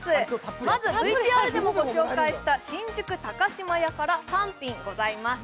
まず、ＶＴＲでもご紹介した新宿高島屋から３品ございます。